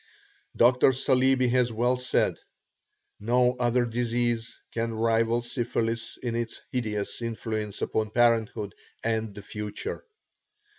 Dr. Saleeby has well said: "No other disease can rival syphilis in its hideous influence upon parenthood and the future.